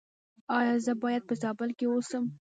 ایا زه باید په زابل کې اوسم؟